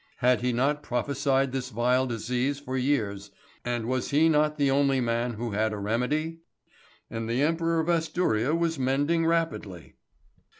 Had he not prophesied this vile disease for years, and was he not the only man who had a remedy? And the Emperor of Asturia was mending rapidly.